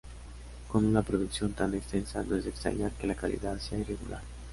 Con una producción tan extensa, no es de extrañar que la calidad sea irregular.